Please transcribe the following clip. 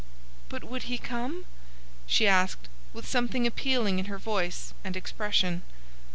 "But would he come?" she asked, with something appealing in her voice and expression.